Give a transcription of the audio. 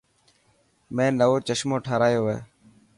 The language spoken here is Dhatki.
مين نوو چشمو ٺارايو هي.